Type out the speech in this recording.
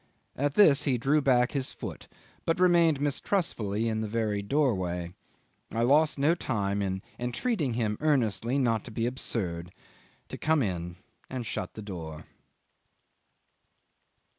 At this he drew back his foot, but remained mistrustfully in the very doorway. I lost no time in entreating him earnestly not to be absurd; to come in and shut the door.